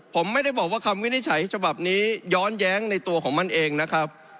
ผมไม่ได้บอกว่าคำวินิจฉัยฉบับนี้ย้อนแย้งในตัวของมันเองนะครับ